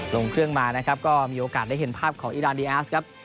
ลงเครื่องมานะครับก็มีโอกาสได้เห็นภาพของอีรานดีแอสครับ